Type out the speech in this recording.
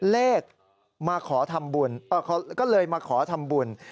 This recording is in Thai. เลขมาขอทำบุญก็เลยมาขอทำบุญ